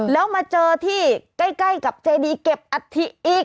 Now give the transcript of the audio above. แล้วมาเจอที่ใกล้กับเจดีเก็บอัฐิอีก